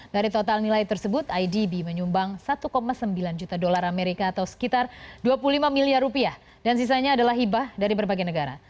dari total nilai tersebut idb menyumbang satu sembilan juta dolar amerika atau sekitar dua puluh lima miliar rupiah dan sisanya adalah hibah dari berbagai negara